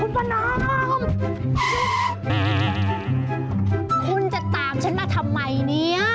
คุณจะตามฉันมาทำไมเนี่ย